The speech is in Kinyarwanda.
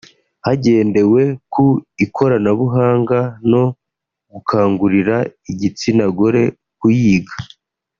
hagendewe ku ikoranabuhanga no gukangurira igitsina gore kuyiga